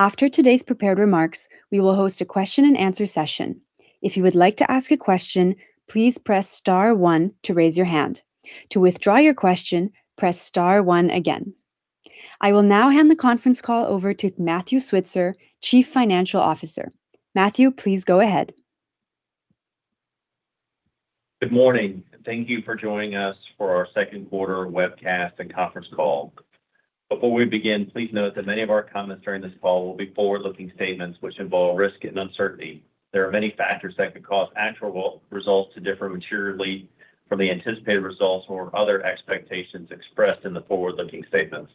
After today's prepared remarks, we will host a question and answer session. If you would like to ask a question, please press star one to raise your hand. To withdraw your question, press star one again. I will now hand the conference call over to Matthew Switzer, Chief Financial Officer. Matthew, please go ahead. Good morning. Thank you for joining us for our Second Quarter Webcast and Conference Call. Before we begin, please note that many of our comments during this call will be forward-looking statements which involve risk and uncertainty. There are many factors that could cause actual results to differ materially from the anticipated results or other expectations expressed in the forward-looking statements.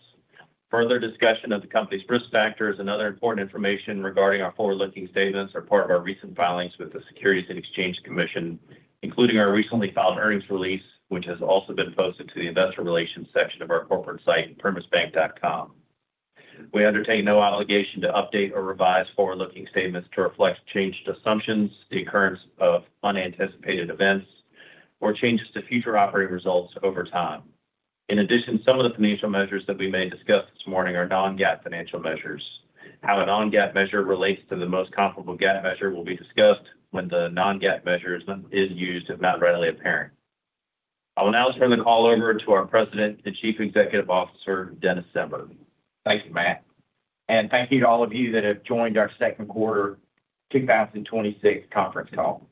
Further discussion of the company's risk factors and other important information regarding our forward-looking statements are part of our recent filings with the Securities and Exchange Commission, including our recently filed earnings release, which has also been posted to the investor relations section of our corporate site, primisbank.com. We undertake no obligation to update or revise forward-looking statements to reflect changed assumptions, the occurrence of unanticipated events, or changes to future operating results over time. In addition, some of the financial measures that we may discuss this morning are non-GAAP financial measures. How a non-GAAP measure relates to the most comparable GAAP measure will be discussed when the non-GAAP measure is used, if not readily apparent. I will now turn the call over to our President and Chief Executive Officer, Dennis Zember. Thanks, Matt, and thank you to all of you that have joined our Second Quarter 2026 Conference Call.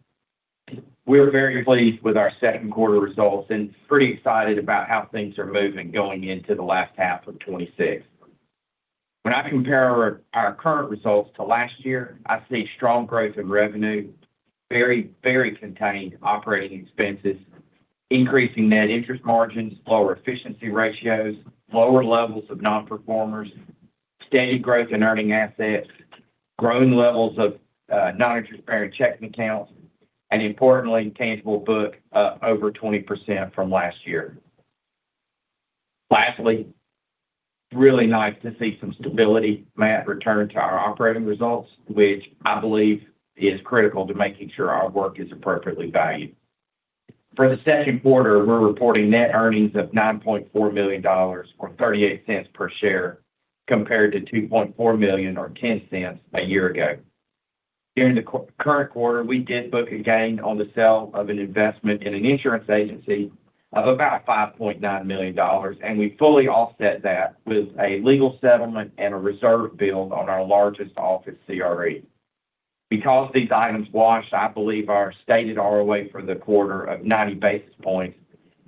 We are very pleased with our second quarter results and pretty excited about how things are moving going into the last half of 2026. When I compare our current results to last year, I see strong growth in revenue, very contained operating expenses, increasing net interest margins, lower efficiency ratios, lower levels of non-performers, steady growth in earning assets, growing levels of non-interest-bearing checking accounts, and importantly, tangible book up over 20% from last year. Lastly, really nice to see some stability, Matt, return to our operating results, which I believe is critical to making sure our work is appropriately valued. For the second quarter, we're reporting net earnings of $9.4 million, or $0.38 per share, compared to $2.4 million or $0.10 a year ago. During the current quarter, we did book a gain on the sale of an investment in an insurance agency of about $5.9 million, and we fully offset that with a legal settlement and a reserve build on our largest office CRE. Because these items wash, I believe our stated ROA for the quarter of 90 basis points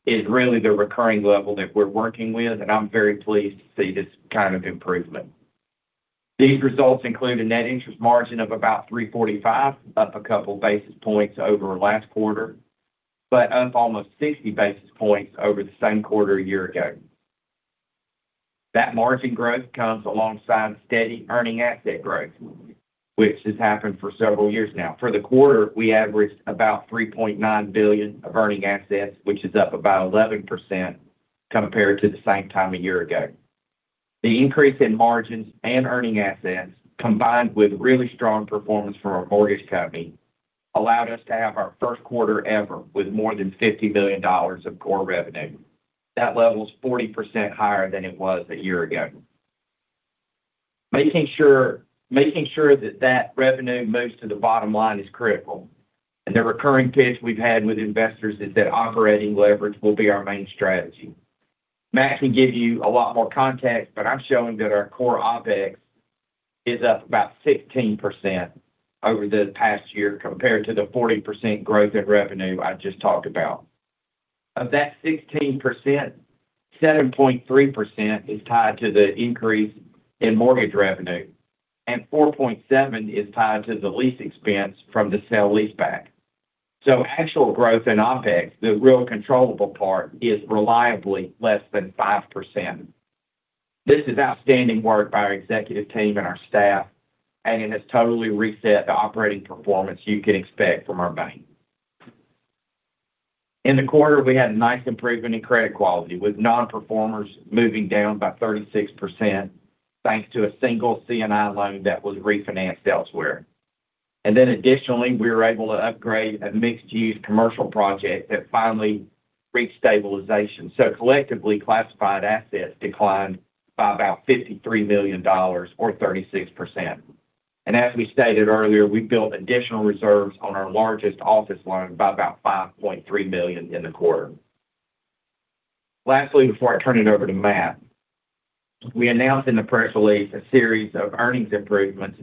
is really the recurring level that we're working with, and I'm very pleased to see this kind of improvement. These results include a net interest margin of about 345 basis points, up a couple basis points over last quarter, but up almost 60 basis points over the same quarter a year-ago. That margin growth comes alongside steady earning asset growth, which has happened for several years now. For the quarter, we averaged about $3.9 billion of earning assets, which is up about 11% compared to the same time a year-ago. The increase in margins and earning assets, combined with really strong performance from our mortgage company, allowed us to have our first quarter ever with more than $50 million of core revenue. That level is 40% higher than it was a year-ago. Making sure that that revenue moves to the bottom line is critical, and the recurring pitch we've had with investors is that operating leverage will be our main strategy. Matt can give you a lot more context, but I'm showing that our core OpEx is up about 16% over the past year compared to the 40% growth in revenue I just talked about. Of that 16%, 7.3% is tied to the increase in mortgage revenue, and 4.7% is tied to the lease expense from the sale leaseback. Actual growth in OpEx, the real controllable part, is reliably less than 5%. This is outstanding work by our executive team and our staff, and it has totally reset the operating performance you can expect from our bank. In the quarter, we had nice improvement in credit quality, with non-performers moving down by 36%, thanks to a single C&I loan that was refinanced elsewhere. Additionally, we were able to upgrade a mixed-use commercial project that finally reached stabilization. Collectively, classified assets declined by about $53 million, or 36%. As we stated earlier, we built additional reserves on our largest office loan by about $5.3 million in the quarter. Lastly, before I turn it over to Matt, we announced in the press release a series of earnings improvements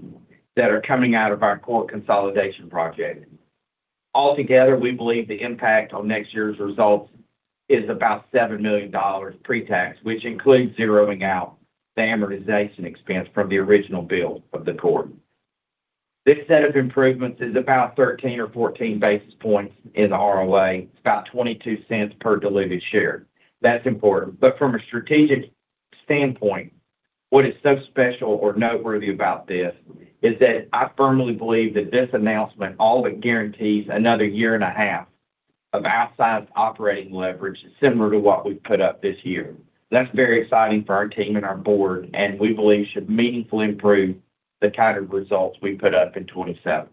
that are coming out of our core consolidation project. Altogether, we believe the impact on next year's results is about $7 million pre-tax, which includes zeroing out the amortization expense from the original build of the core. This set of improvements is about 13 or 14 basis points in the ROA. It's about $0.22 per diluted share. That's important. From a strategic standpoint, what is so special or noteworthy about this is that I firmly believe that this announcement all but guarantees another year and a half of outsized operating leverage similar to what we've put up this year. That's very exciting for our team and our board, and we believe should meaningfully improve the kind of results we put up in 2027.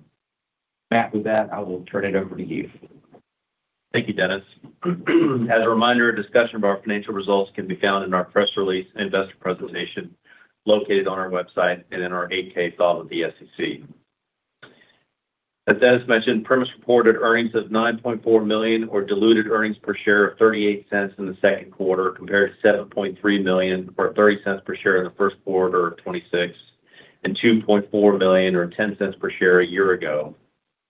Matt, with that, I will turn it over to you. Thank you, Dennis. As a reminder, a discussion of our financial results can be found in our press release investor presentation located on our website and in our 8-K filed with the SEC. As Dennis mentioned, Primis reported earnings of $9.4 million, or diluted earnings per share of $0.38 in the second quarter, compared to $7.3 million or $0.30 per share in the first quarter of 2026, and $2.4 million or $0.10 per share a year ago.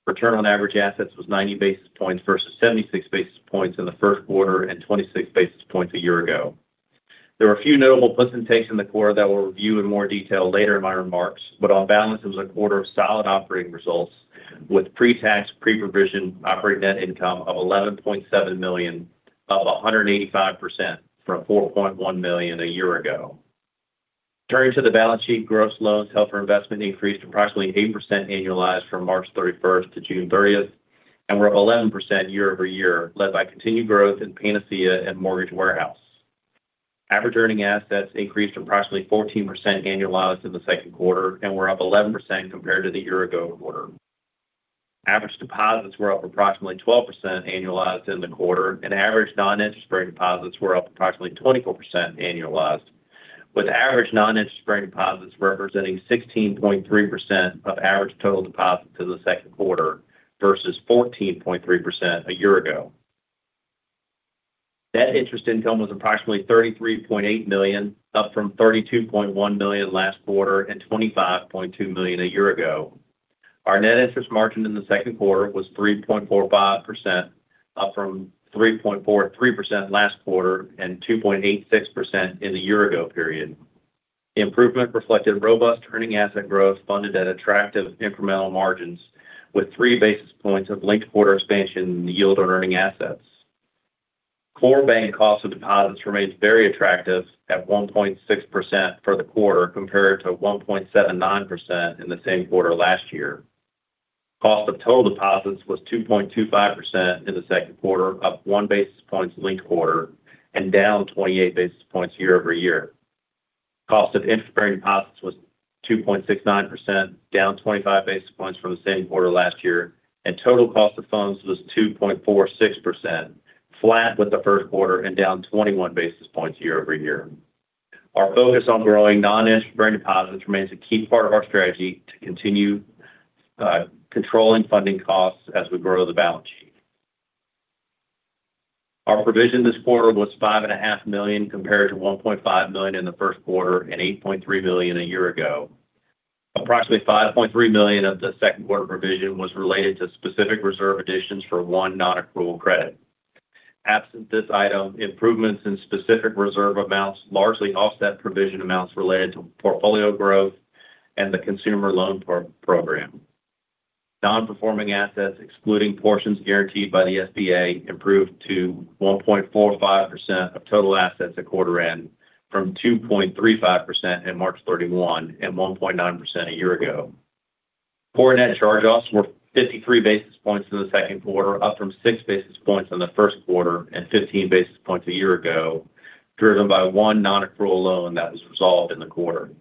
Return on average assets was 90 basis points versus 76 basis points in the first quarter and 26 basis points a year ago. There were a few notable pluses in the quarter that we'll review in more detail later in my remarks, but on balance, it was a quarter of solid operating results with pre-tax, pre-provision operating net income of $11.7 million, up 185% from $4.1 million a year ago. Turning to the balance sheet, gross loans held for investment increased approximately 8% annualized from March 31st to June 30th, and were up 11% year-over-year, led by continued growth in Panacea and Mortgage Warehouse. Average earning assets increased approximately 14% annualized in the second quarter and were up 11% compared to the year-ago quarter. Average deposits were up approximately 12% annualized in the quarter, and average non-interest-bearing deposits were up approximately 24% annualized, with average non-interest-bearing deposits representing 16.3% of average total deposits in the second quarter versus 14.3% a year ago. Net interest income was approximately $33.8 million, up from $32.1 million last quarter and $25.2 million a year ago. Our net interest margin in the second quarter was 3.45%, up from 3.43% last quarter and 2.86% in the year-ago period. Improvement reflected robust earning asset growth funded at attractive incremental margins, with 3 basis points of linked quarter expansion in the yield on earning assets. Core bank cost of deposits remains very attractive at 1.6% for the quarter compared to 1.79% in the same quarter last year. Cost of total deposits was 2.25% in the second quarter, up 1 basis point linked quarter and down 28 basis points year-over-year. Cost of interest-bearing deposits was 2.69%, down 25 basis points from the same quarter last year, and total cost of funds was 2.46%, flat with the first quarter and down 21 basis points year-over-year. Our focus on growing non-interest-bearing deposits remains a key part of our strategy to continue controlling funding costs as we grow the balance sheet. Our provision this quarter was $5.5 million compared to $1.5 million in the first quarter and $8.3 million a year ago. Approximately $5.3 million of the second quarter provision was related to specific reserve additions for one nonaccrual credit. Absent this item, improvements in specific reserve amounts largely offset provision amounts related to portfolio growth and the consumer loan program. Non-performing assets, excluding portions guaranteed by the SBA, improved to 1.45% of total assets at quarter end from 2.35% at March 31 and 1.9% a year ago. Core net charge-offs were 53 basis points in the second quarter, up from 6 basis points in the first quarter and 15 basis points a year ago, driven by one nonaccrual loan that was resolved in the quarter.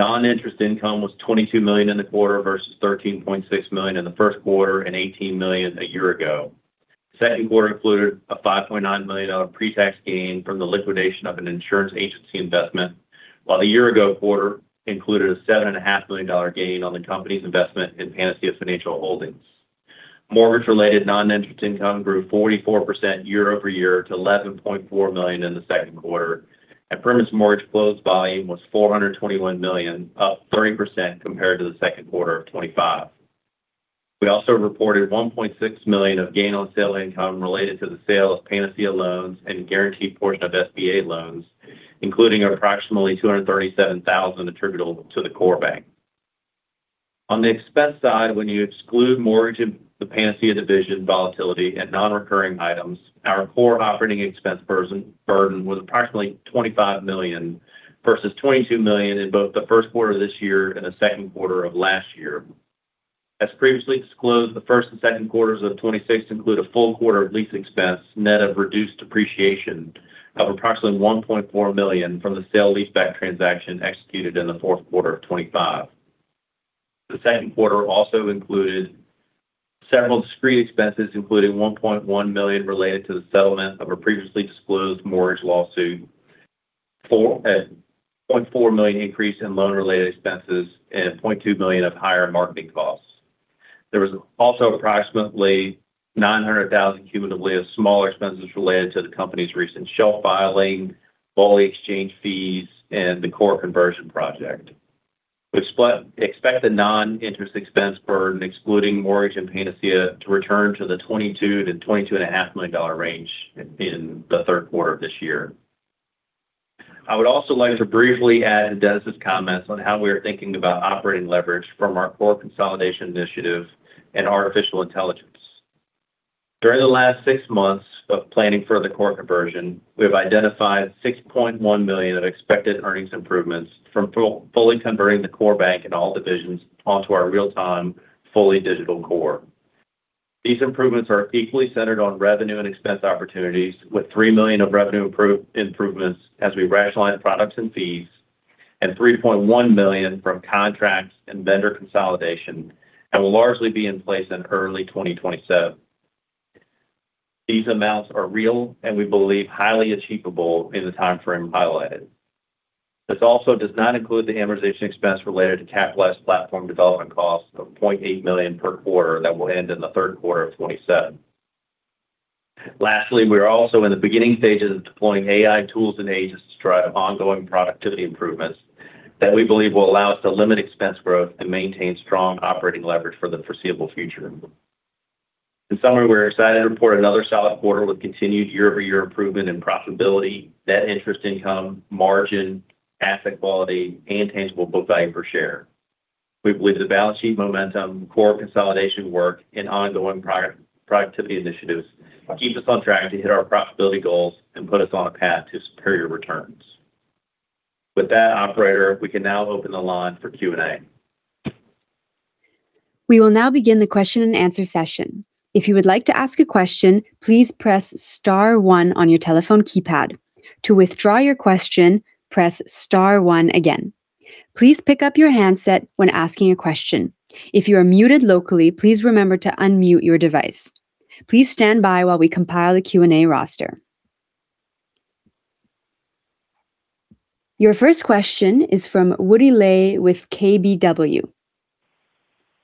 Non-interest income was $22 million in the quarter versus $13.6 million in the first quarter and $18 million a year ago. The second quarter included a $5.9 million pre-tax gain from the liquidation of an insurance agency investment, while the year-ago quarter included a $7.5 million gain on the company's investment in Panacea Financial Holdings. Mortgage-related non-interest income grew 44% year-over-year to $11.4 million in the second quarter, and Primis Mortgage closed volume was $421 million, up 30% compared to the second quarter of 2025. We also reported $1.6 million of gain on sale income related to the sale of Panacea loans and guaranteed portion of SBA loans, including approximately $237,000 attributable to the core bank. On the expense side, when you exclude mortgage of the Panacea division volatility and non-recurring items, our core operating expense burden was approximately $25 million versus $22 million in both the first quarter of this year and the second quarter of last year. As previously disclosed, the first and second quarters of 2026 include a full quarter of lease expense, net of reduced depreciation of approximately $1.4 million from the sale leaseback transaction executed in the fourth quarter of 2025. The second quarter also included several discrete expenses, including $1.1 million related to the settlement of a previously disclosed mortgage lawsuit, a $0.4 million increase in loan-related expenses, and $0.2 million of higher marketing costs. There was also approximately $900,000 cumulatively of small expenses related to the company's recent shelf filing, foreign exchange fees, and the core conversion project. We expect the non-interest expense burden, excluding mortgage and Panacea, to return to the $22 million-$22.5 million range in the third quarter of this year. I would also like to briefly add to Dennis's comments on how we are thinking about operating leverage from our core consolidation initiative and artificial intelligence. During the last six months of planning for the core conversion, we have identified $6.1 million of expected earnings improvements from fully converting the core bank and all divisions onto our real-time, fully digital core. These improvements are equally centered on revenue and expense opportunities with $3 million of revenue improvements as we rationalize products and fees. $3.1 million from contracts and vendor consolidation and will largely be in place in early 2027. These amounts are real and we believe highly achievable in the timeframe highlighted. This also does not include the amortization expense related to capitalized platform development costs of $0.8 million per quarter that will end in the third quarter of 2027. Lastly, we are also in the beginning stages of deploying AI tools and agents to drive ongoing productivity improvements that we believe will allow us to limit expense growth and maintain strong operating leverage for the foreseeable future. In summary, we're excited to report another solid quarter with continued year-over-year improvement and profitability, net interest income, margin, asset quality, and tangible book value per share. We believe the balance sheet momentum, core consolidation work, and ongoing productivity initiatives will keep us on track to hit our profitability goals and put us on a path to superior returns. With that, operator, we can now open the line for Q&A. We will now begin the question and answer session. If you would like to ask a question, please press star one on your telephone keypad. To withdraw your question, press star one again. Please pick up your handset when asking a question. If you are muted locally, please remember to unmute your device. Please stand by while we compile a Q&A roster. Your first question is from Woody Lay with KBW.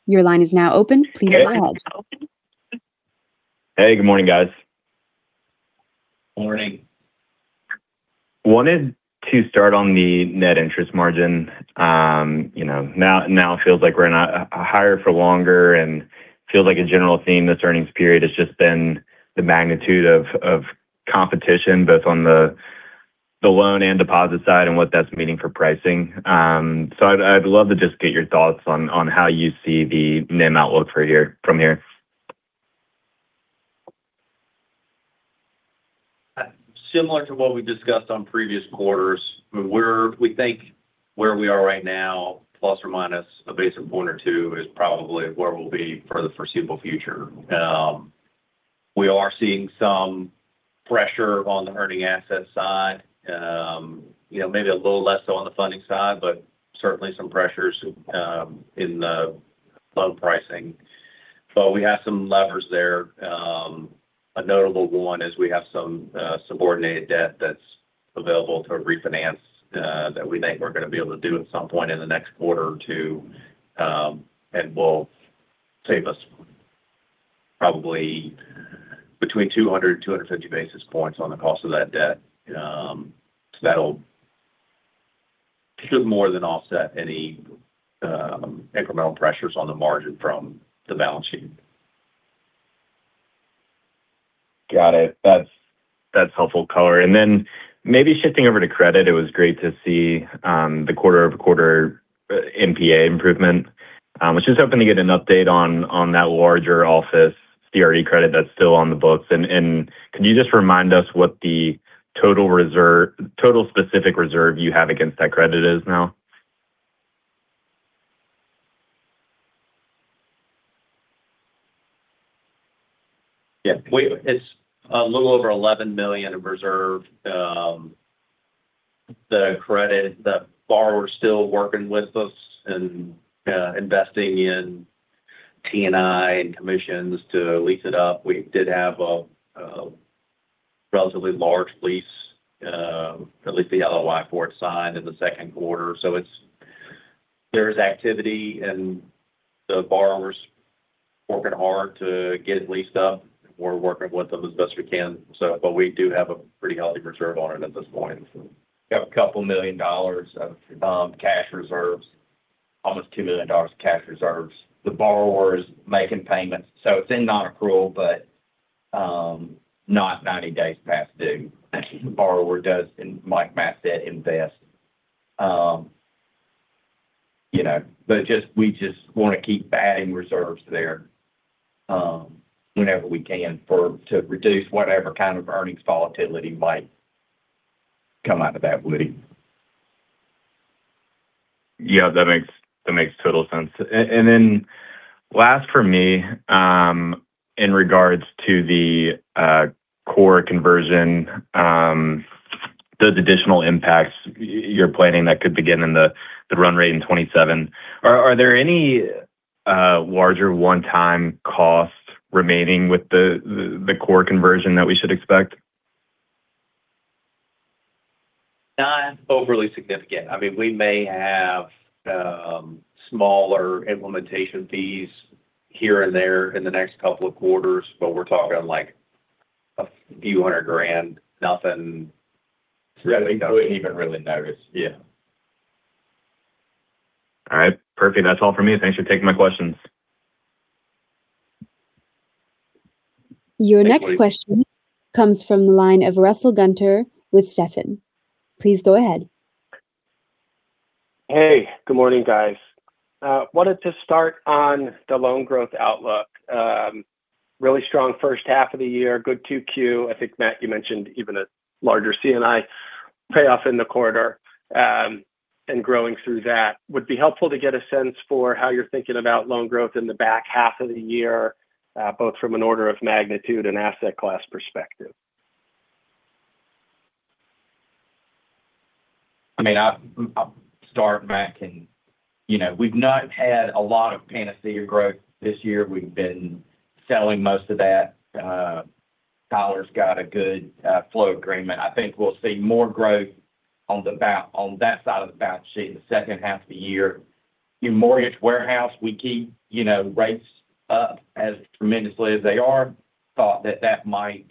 Your line is now open. Please go ahead. Hey, good morning, guys. Morning. Wanted to start on the net interest margin. Now it feels like we're in a higher for longer and feels like a general theme this earnings period has just been the magnitude of competition, both on the loan and deposit side and what that's meaning for pricing. I'd love to just get your thoughts on how you see the NIM outlook from here. Similar to what we discussed on previous quarters, we think where we are right now, ± a basis point or two, is probably where we'll be for the foreseeable future. We are seeing some pressure on the earning asset side. Maybe a little less so on the funding side, but certainly some pressures in the loan pricing. We have some levers there. A notable one is we have some subordinated debt that's available to refinance that we think we're going to be able to do at some point in the next quarter or two, will save us probably between 200 and 250 basis points on the cost of that debt. That'll-- should more than offset any incremental pressures on the margin from the balance sheet. Got it. That's helpful color. Maybe shifting over to credit, it was great to see the quarter-over-quarter NPA improvement. I was just hoping to get an update on that larger office CRE credit that's still on the books. Could you just remind us what the total specific reserve you have against that credit is now? Yeah. It's a little over $11 million in reserve. The borrower's still working with us and investing in TI and commissions to lease it up. We did have a relatively large lease, or at least the LOI for it, signed in the second quarter. There is activity and the borrower's working hard to get it leased up. We're working with them as best we can. We do have a pretty healthy reserve on it at this point. We have a couple million dollars of cash reserves. Almost $2 million of cash reserves. The borrower is making payments, so it's in nonaccrual, but not 90 days past due. The borrower does, like Matt said, invest. We just want to keep padding reserves there whenever we can to reduce whatever kind of earnings volatility might come out of that lending. Yeah, that makes total sense. Last for me, in regards to the core conversion, those additional impacts you're planning that could begin in the run rate in 2027, are there any larger one-time costs remaining with the core conversion that we should expect? Not overly significant. We may have smaller implementation fees here and there in the next couple of quarters, we're talking like a few hundred grand. Nothing. Yeah. You wouldn't even really notice. Yeah. All right. Perfect. That's all from me. Thanks for taking my questions. Your next question comes from the line of Russell Gunther with Stephens. Please go ahead. Hey, good morning, guys. Wanted to start on the loan growth outlook. Really strong first half of the year. Good 2Q. I think, Matt, you mentioned even a larger C&I payoff in the quarter, and growing through that. Would be helpful to get a sense for how you're thinking about loan growth in the back half of the year, both from an order of magnitude and asset class perspective. I'll start, Matt. We've not had a lot of Panacea growth this year. We've been selling most of that. Dollar's got a good flow agreement. I think we'll see more growth on that side of the balance sheet in the second half of the year. In Mortgage Warehouse, we keep rates up as tremendously as they are. Thought that that might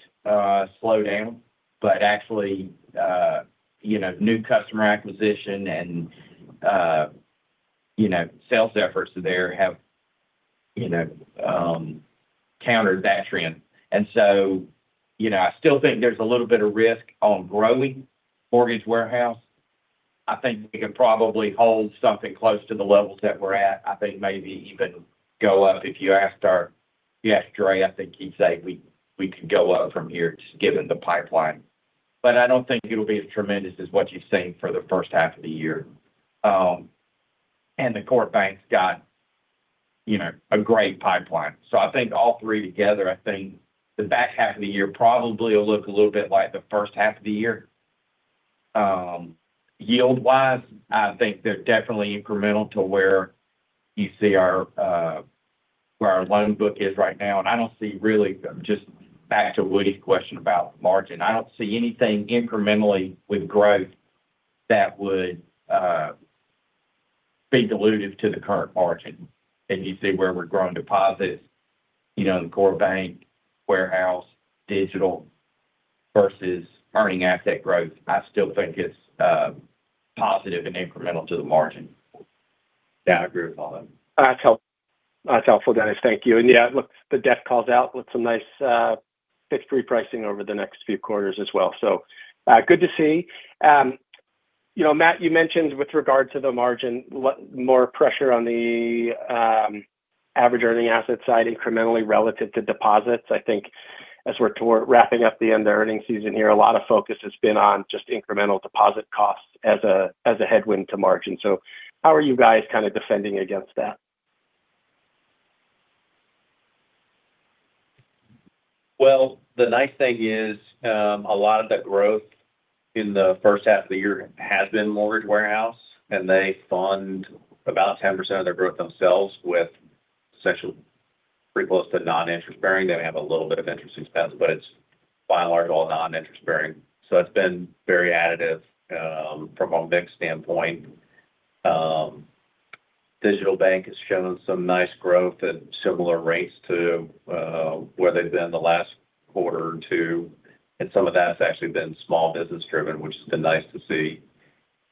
slow down. Actually new customer acquisition and sales efforts there have countered that trend. So I still think there's a little bit of risk on growing Mortgage Warehouse. I think we can probably hold something close to the levels that we're at. I think maybe even go up. If you asked Ray, I think he'd say we could go up from here just given the pipeline. I don't think it'll be as tremendous as what you've seen for the first half of the year. The Corp Bank's got a great pipeline. I think all three together, I think the back half of the year probably will look a little bit like the first half of the year. Yield-wise, I think they're definitely incremental to where you see where our loan book is right now. Just back to Woody's question about margin, I don't see anything incrementally with growth that would be dilutive to the current margin. You see where we're growing deposits in the core bank, warehouse, digital versus earning asset growth. I still think it's positive and incremental to the margin. Yeah, I agree with all that. That's helpful, Dennis. Thank you. Yeah, look, the debt calls out with some nice fixed repricing over the next few quarters as well. Good to see. Matt, you mentioned with regard to the margin, more pressure on the average earning asset side incrementally relative to deposits. I think as we're toward wrapping up the end of earnings season here, a lot of focus has been on just incremental deposit costs as a headwind to margin. How are you guys kind of defending against that? Well, the nice thing is a lot of that growth in the first half of the year has been Mortgage Warehouse, and they fund about 10% of their growth themselves with essentially pretty close to non-interest bearing. They have a little bit of interest expense, but it's by and large all non-interest bearing. It's been very additive from a mix standpoint. Digital Bank has shown some nice growth at similar rates to where they've been the last quarter or two, and some of that has actually been small business driven, which has been nice to see.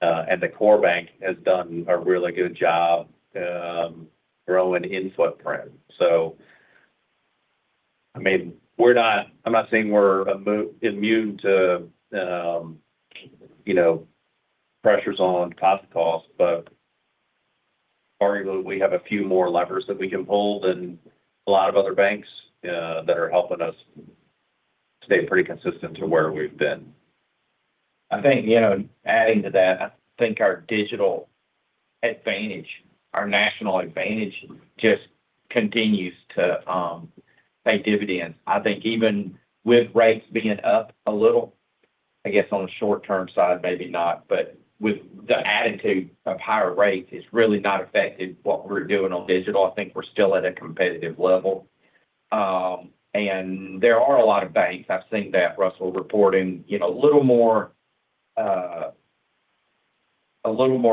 The core bank has done a really good job growing in footprint. I'm not saying we're immune to pressures on deposit costs, but arguably we have a few more levers that we can pull than a lot of other banks that are helping us stay pretty consistent to where we've been. I think adding to that, I think our digital advantage, our national advantage just continues to pay dividends. I think even with rates being up a little, I guess on the short-term side maybe not. With the attitude of higher rates, it's really not affected what we're doing on digital. I think we're still at a competitive level. There are a lot of banks, I've seen that Russell reporting a little more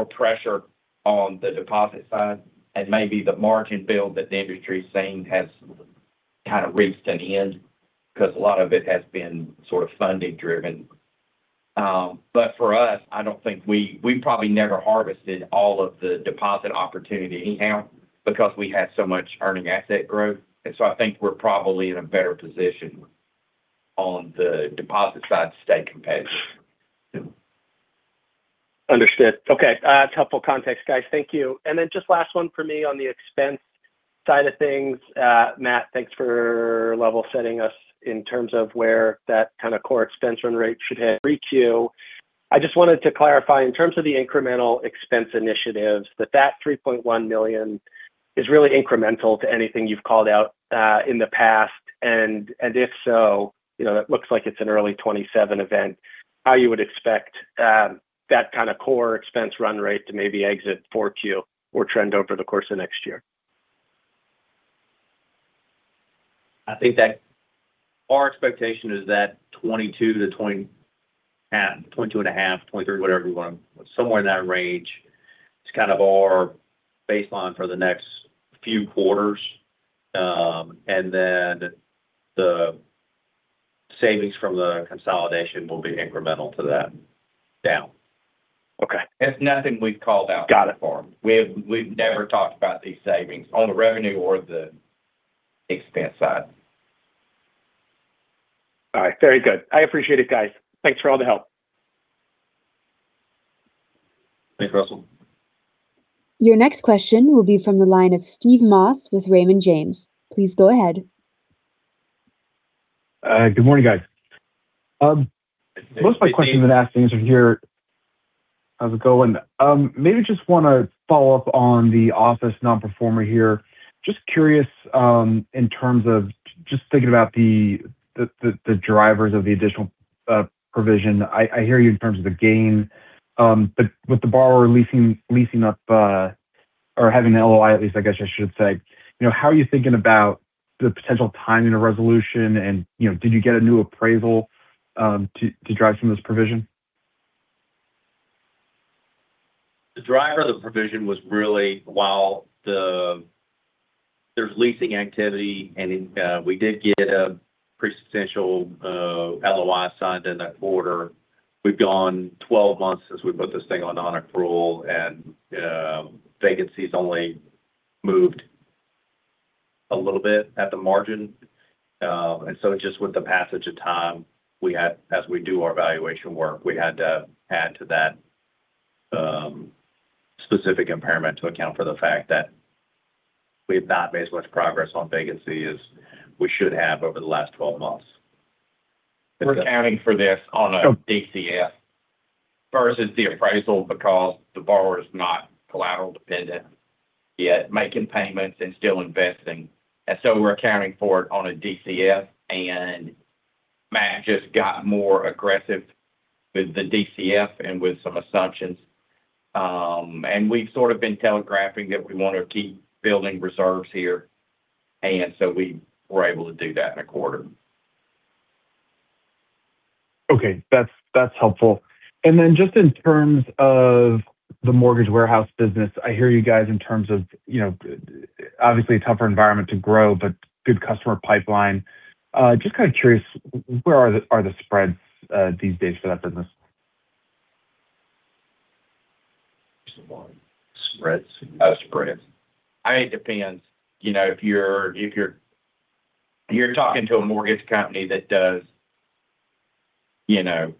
pressure on the deposit side and maybe the margin build that the industry's seen has kind of reached an end because a lot of it has been sort of funding driven. For us, we probably never harvested all of the deposit opportunity anyhow because we had so much earning asset growth. I think we're probably in a better position on the deposit side to stay competitive. Understood. Okay. Helpful context, guys. Thank you. Just last one for me on the expense side of things. Matt, thanks for level setting us in terms of where that kind of core expense run rate should hit 3Q. I just wanted to clarify in terms of the incremental expense initiatives that that $3.1 million is really incremental to anything you've called out in the past. If so, that looks like it's an early 2027 event, how you would expect that kind of core expense run rate to maybe exit 4Q or trend over the course of next year. I think that our expectation is that 22-22.5, 23, whatever you want to, somewhere in that range is kind of our baseline for the next few quarters. The savings from the consolidation will be incremental to that down. Okay. It's nothing we've called out before. Got it. We've never talked about these savings on the revenue or the expense side. All right. Very good. I appreciate it, guys. Thanks for all the help. Thanks, Russell. Your next question will be from the line of Steve Moss with Raymond James. Please go ahead. Good morning, guys. Most of my questions have been asked and answered here. How's it going? Maybe just want to follow up on the office nonaccrual here. Just curious in terms of just thinking about the drivers of the additional provision. I hear you in terms of the gain, but with the borrower leasing up or having an LOI, at least I guess I should say. How are you thinking about the potential timing of resolution and did you get a new appraisal to drive some of this provision? The driver of the provision was really, while there's leasing activity and we did get a pre-essential LOI signed in that quarter. We've gone 12 months since we put this thing on nonaccrual and vacancy's only moved a little bit at the margin. Just with the passage of time, as we do our evaluation work, we had to add to that specific impairment to account for the fact that we have not made as much progress on vacancy as we should have over the last 12 months. We're accounting for this on a DCF versus the appraisal because the borrower is not collateral dependent, yet making payments and still investing. We're accounting for it on a DCF, and Matt just got more aggressive with the DCF and with some assumptions. We've sort of been telegraphing that we want to keep building reserves here. We were able to do that in a quarter. Okay. That's helpful. Just in terms of the Mortgage Warehouse business, I hear you guys in terms of obviously a tougher environment to grow, but good customer pipeline. Just kind of curious, where are the spreads these days for that business? Spreads. I think it depends. If you're talking to a mortgage company that does a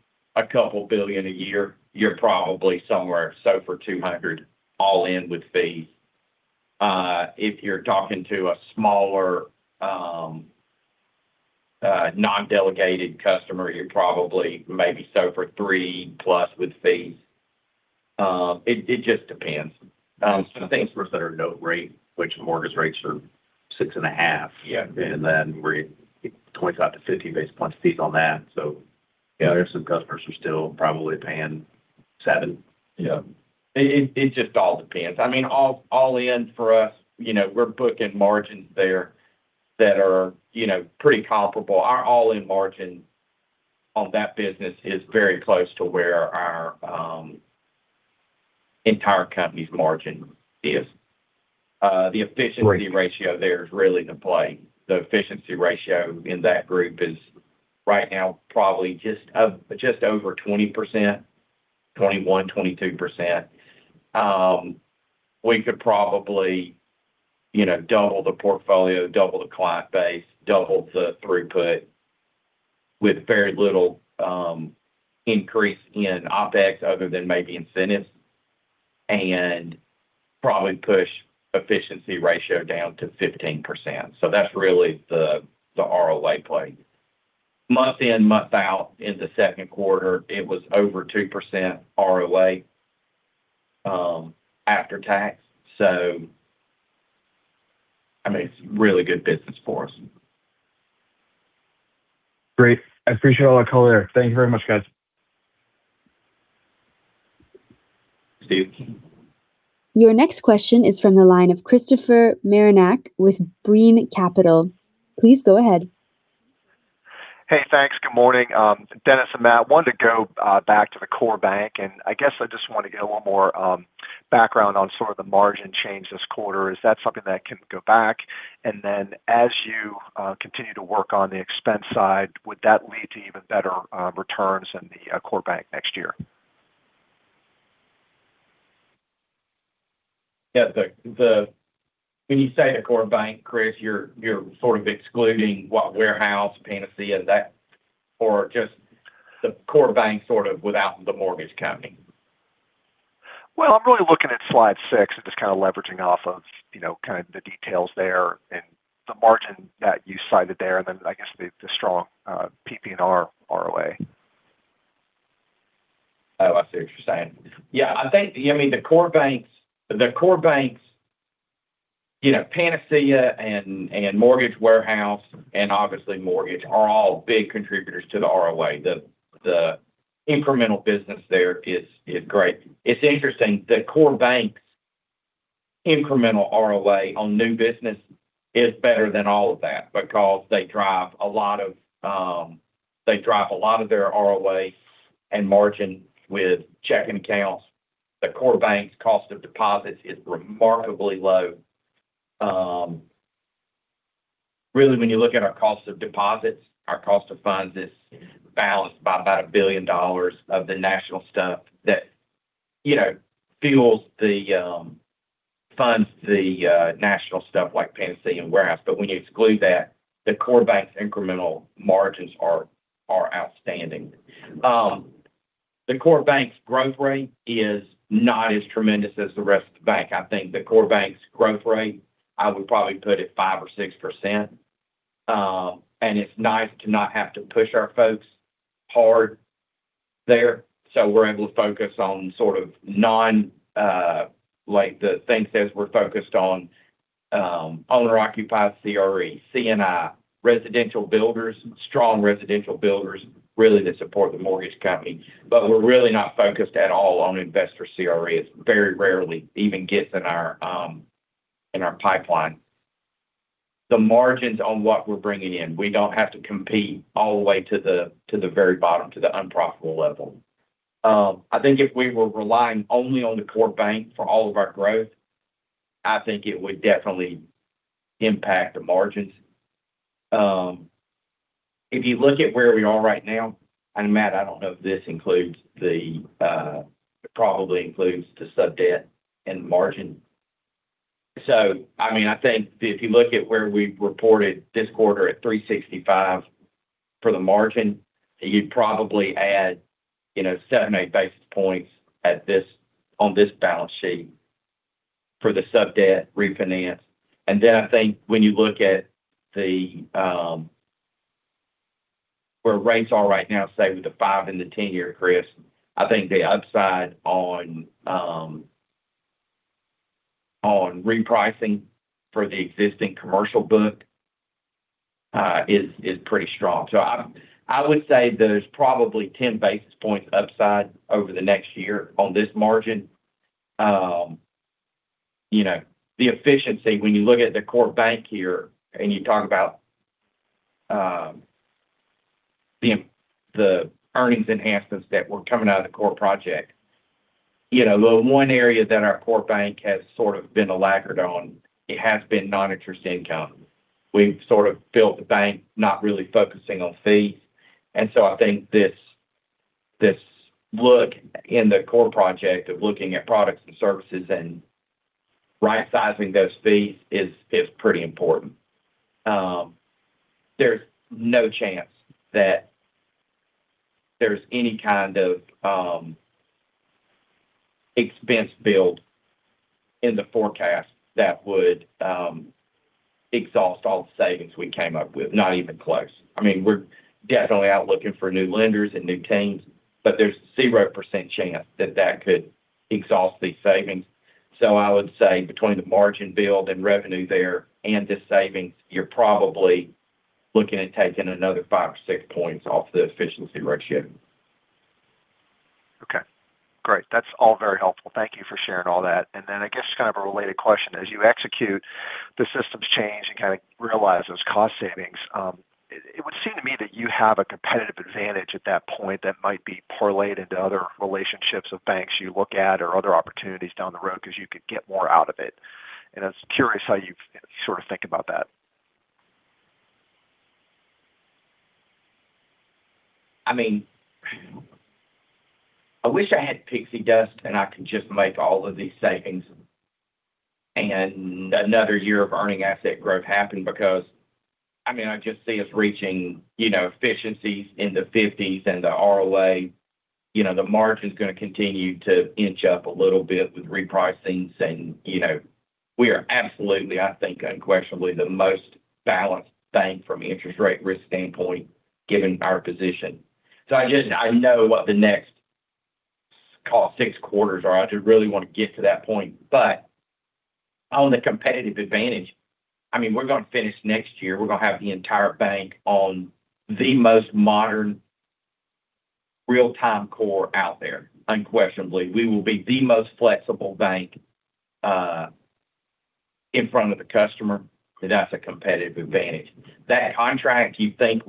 couple billion a year, you're probably somewhere SOFR 200, all in with fees. If you're talking to a smaller, non-delegated customer, you're probably maybe SOFR 3+ with fees. It just depends. Some banks that are note rate, which mortgage rates are six and a half. Yeah. We're 25-50 basis points fees on that. Yeah, there's some customers who are still probably paying seven. Yeah. It just all depends. All in for us, we're booking margins there that are pretty comparable. Our all-in margin on that business is very close to where our entire company's margin is. The efficiency ratio there is really the play. The efficiency ratio in that group is right now probably just over 20%, 21%, 22%. We could probably double the portfolio, double the client base, double the throughput with very little increase in OpEx other than maybe incentives and probably push efficiency ratio down to 15%. That's really the ROA play. Month in, month out in the second quarter, it was over 2% ROA after tax. It's really good business for us. Great. I appreciate all that color. Thank you very much, guys. Thanks Steve. Your next question is from the line of Christopher Marinac with Brean Capital. Please go ahead. Hey, thanks. Good morning. Dennis and Matt, I guess I just want to get a little more background on sort of the margin change this quarter. Is that something that can go back? Then as you continue to work on the expense side, would that lead to even better returns in the core bank next year? When you say the core bank, Chris, you're sort of excluding what Mortgage Warehouse, Panacea, or just the core bank sort of without the mortgage company? I'm really looking at slide six and just kind of leveraging off of the details there and the margin that you cited there, and then I guess the strong PPNR ROA. Yeah, I see what you're saying. I think the core bank, Panacea and Mortgage Warehouse and obviously Mortgage are all big contributors to the ROA. The incremental business there is great. It's interesting, the core bank's incremental ROA on new business is better than all of that because they drive a lot of their ROA and margin with checking accounts. The core bank's cost of deposits is remarkably low. Really, when you look at our cost of deposits, our cost of funds is balanced by about $1 billion of the national stuff that fuels the funds, the national stuff like Panacea and Warehouse. When you exclude that, the core bank's incremental margins are outstanding. The core bank's growth rate is not as tremendous as the rest of the bank. I think the core bank's growth rate, I would probably put at 5% or 6%. It's nice to not have to push our folks hard there, so we're able to focus on the things as we're focused on owner-occupied CRE, C&I, residential builders, strong residential builders, really to support the mortgage company. We're really not focused at all on investor CRE. It very rarely even gets in our pipeline. The margins on what we're bringing in, we don't have to compete all the way to the very bottom, to the unprofitable level. I think if we were relying only on the core bank for all of our growth, I think it would definitely impact the margins. If you look at where we are right now, and Matt, I don't know if this probably includes the sub-debt and margin. I think if you look at where we've reported this quarter at 3.65% for the margin, you'd probably add 7, 8 basis points on this balance sheet for the sub-debt refinance. I think when you look at where rates are right now, say with the five and the 10-year, Chris, I think the upside on repricing for the existing commercial book is pretty strong. I would say there's probably 10 basis points upside over the next year on this margin. The efficiency, when you look at the core bank here and you talk about the earnings enhancements that were coming out of the core project. The one area that our core bank has sort of been a laggard on, it has been non-interest income. We've sort of built the bank not really focusing on fees. I think this look in the core project of looking at products and services and right-sizing those fees is pretty important. There's no chance that there's any kind of expense build in the forecast that would exhaust all the savings we came up with. Not even close. We're definitely out looking for new lenders and new teams, but there's 0% chance that that could exhaust these savings. I would say between the margin build and revenue there and the savings, you're probably looking at taking another five or six points off the efficiency ratio. Okay. Great. That's all very helpful. Thank you for sharing all that. I guess kind of a related question, as you execute the systems change and kind of realize those cost savings, it would seem to me that you have a competitive advantage at that point that might be correlated to other relationships with banks you look at or other opportunities down the road because you could get more out of it. I was curious how you sort of think about that. I wish I had pixie dust and I could just make all of these savings and another year of earning asset growth happen because I just see us reaching efficiencies in the 50s and the ROA. The margin is going to continue to inch up a little bit with repricing and we are absolutely, I think unquestionably, the most balanced bank from an interest rate risk standpoint given our position. I know what the next, call it, six quarters are. I just really want to get to that point. On the competitive advantage, we're going to finish next year. We're going to have the entire bank on the most modern real-time core out there. Unquestionably. We will be the most flexible bank in front of the customer, and that's a competitive advantage. That contract, you think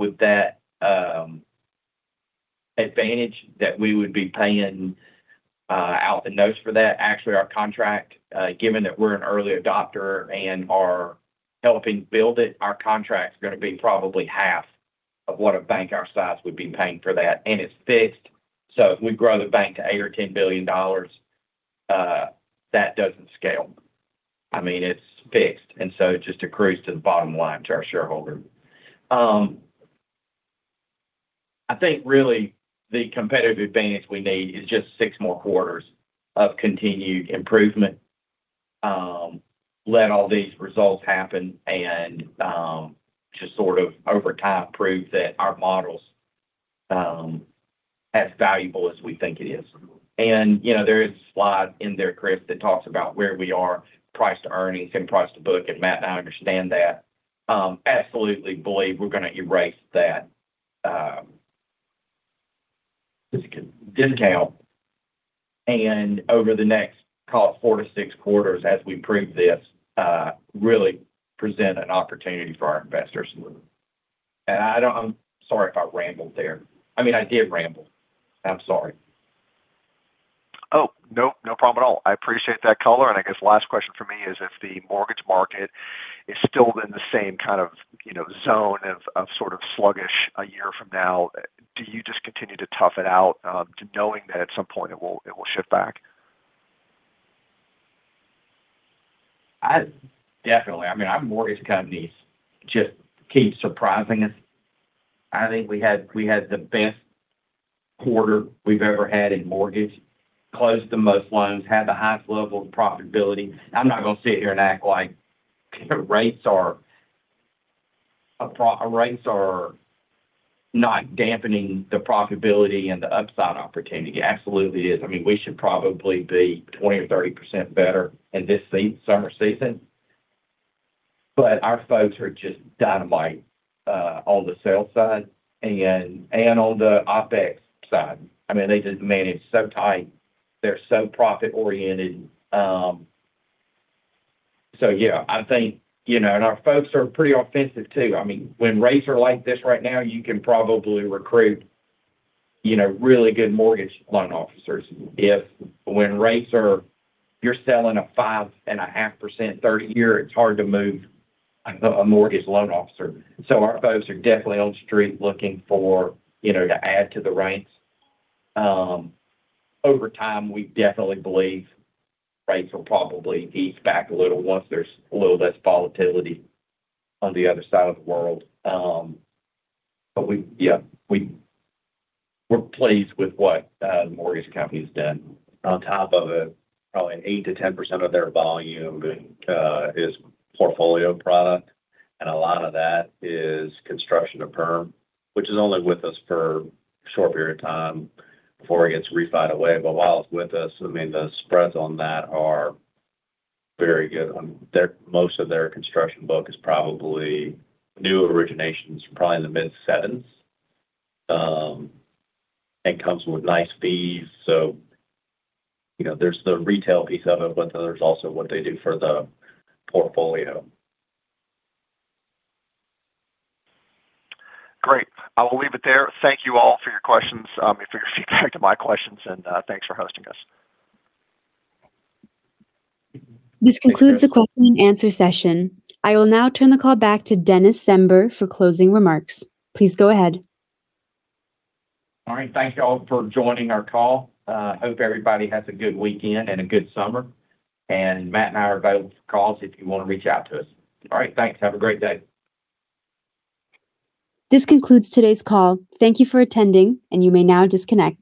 with that advantage that we would be paying out the nose for that. Actually, our contract, given that we're an early adopter and are helping build it, our contract's going to be probably half of what a bank our size would be paying for that. It's fixed, so if we grow the bank to $8 billion or $10 billion, that doesn't scale. It's fixed. It just accrues to the bottom line to our shareholder. I think really the competitive advantage we need is just six more quarters of continued improvement. Let all these results happen and just sort of over time prove that our model is as valuable as we think it is. There is a slide in there, Chris, that talks about where we are price to earnings and price to book, and Matt and I understand that. Absolutely believe we're going to erase that-- Discount. Discount and over the next, call it four-six quarters as we prove this really present an opportunity for our investors. I'm sorry if I rambled there. I mean, I did ramble. I'm sorry. Oh, no. No problem at all. I appreciate that color. I guess last question from me is if the mortgage market is still in the same kind of zone of sort of sluggish a year from now, do you just continue to tough it out knowing that at some point it will shift back? Definitely. Mortgage companies just keep surprising us. I think we had the best quarter we've ever had in mortgage. Closed the most loans, had the highest level of profitability. I'm not going to sit here and act like rates are not dampening the profitability and the upside opportunity. It absolutely is. We should probably be 20% or 30% better in this summer season. Our folks are just dynamite on the sales side and on the OpEx side. They just manage so tight. They're so profit-oriented. Yeah, I think our folks are pretty offensive, too. When rates are like this right now, you can probably recruit really good mortgage loan officers. If when rates are, you're selling a 5.5% 30-year, it's hard to move a mortgage loan officer. Our folks are definitely on the street looking to add to the ranks. Over time, we definitely believe rates will probably ease back a little once there's a little less volatility on the other side of the world. Yeah, we're pleased with what the mortgage company's done. On top of it, probably 8%-10% of their volume is portfolio product. A lot of that is construction-to-permanent, which is only with us for a short period of time before it gets refied away. While it's with us, the spreads on that are very good. Most of their construction book is probably new originations, probably in the mid sevens. Comes with nice fees. There's the retail piece of it, but there's also what they do for the portfolio. Great. I will leave it there. Thank you all for your questions, and for your feedback to my questions, and thanks for hosting us. This concludes the question and answer session. I will now turn the call back to Dennis Zember for closing remarks. Please go ahead. All right. Thank you all for joining our call. Hope everybody has a good weekend and a good summer. Matt and I are available for calls if you want to reach out to us. All right, thanks. Have a great day. This concludes today's call. Thank you for attending, and you may now disconnect.